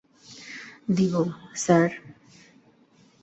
দিব, স্যার।